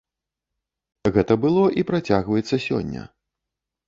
Гэта было і працягваецца сёння.